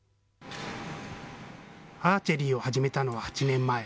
アーチェリーを始めたのは８年前。